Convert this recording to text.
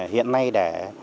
hiện nay để